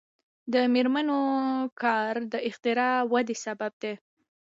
د میرمنو کار د اختراع ودې سبب دی.